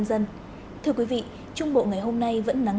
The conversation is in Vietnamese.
xin chào và hẹn gặp lại